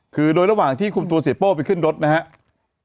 คือโดยระหว่างที่คุมตัวเสียโป้ไปขึ้นรถนะครับ